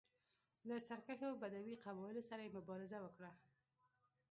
له سرکښو بدوي قبایلو سره یې مبارزه وکړه.